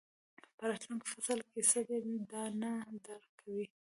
په راتلونکي فصل کې څه دي دا نه درک کوئ.